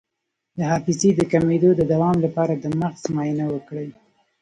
د حافظې د کمیدو د دوام لپاره د مغز معاینه وکړئ